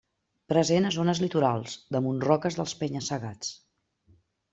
Present a zones litorals, damunt roques dels penya-segats.